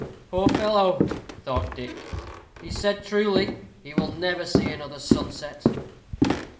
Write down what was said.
"Poor fellow!" thought Dick, "he said truly. He will never see another sunset."